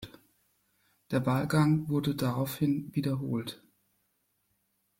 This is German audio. Der Wahlgang wurde daraufhin wiederholt.